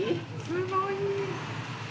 すごい。